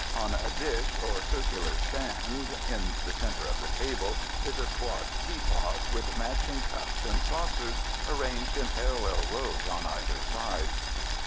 On a dish or circular stand in the center of the table is a squat teapot with matching cups and saucers arranged in parallel rows on either side.